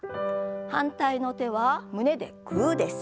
反対の手は胸でグーです。